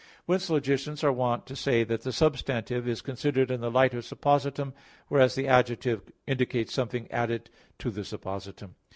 Whence logicians are wont to say that the substantive is considered in the light of suppositum, whereas the adjective indicates something added to the _suppositum.